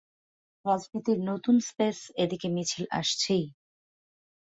রাজনীতির নতুন স্পেসএদিকে মিছিল আসছেই।